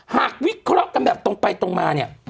วิเคราะห์กันแบบตรงไปตรงมาเนี่ย